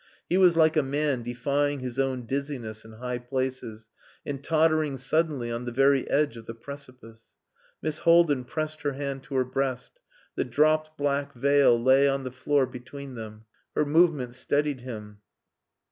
He was like a man defying his own dizziness in high places and tottering suddenly on the very edge of the precipice. Miss Haldin pressed her hand to her breast. The dropped black veil lay on the floor between them. Her movement steadied him.